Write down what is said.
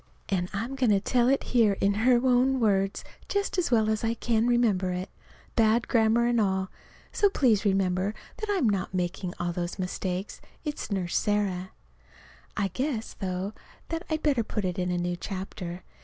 And I'm going to tell it here in her own words, just as well as I can remember it bad grammar and all. So please remember that I am not making all those mistakes. It's Nurse Sarah. I guess, though, that I'd better put it into a new chapter.